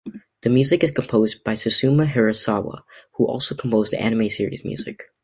The music is composed by Susumu Hirasawa, who also composed the anime series' music.